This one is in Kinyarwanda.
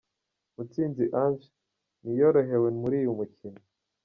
Mutsinzi Ange ntiyorohewe muri uyu mukino.